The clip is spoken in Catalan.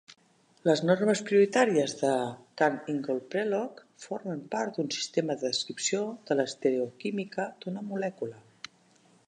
Les normes prioritàries de Cahn-Ingold-Prelog formen part d'un sistema de descripció de l'estereoquímica d'una molècula.